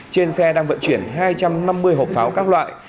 trên xe đang vận chuyển hai trăm năm mươi hộp pháo các loại